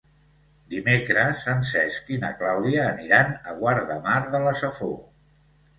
Dimecres en Cesc i na Clàudia aniran a Guardamar de la Safor.